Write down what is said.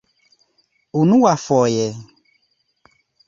unuafoje